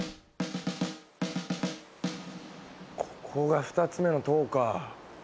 ここが２つ目の塔か。